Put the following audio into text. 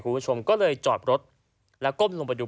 คุณผู้ชมก็เลยจอดรถแล้วก้มลงไปดู